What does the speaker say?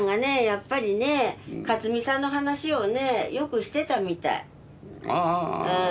やっぱりね克己さんの話をねよくしてたみたい。ああ。